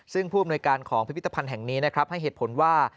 ซึ่งผู้อำนวยการของพิพิธภัณฑ์แห่งนี้นะครับให้เหตุผลว่า